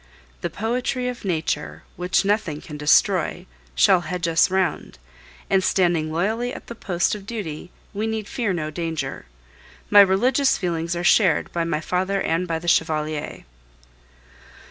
The poetry of Nature, which nothing can destroy, shall hedge us round; and standing loyally at the post of duty, we need fear no danger. My religious feelings are shared by my father in law and by the Chevalier.